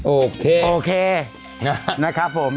โอเคโอเคนะครับผม